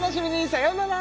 さよなら